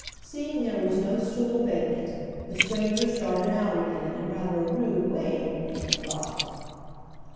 Seeing there was no stool vacant the strangers darted out again in rather a rude way, Nan thought.